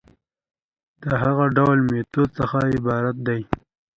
د هغه ډول ميتود څخه عبارت دي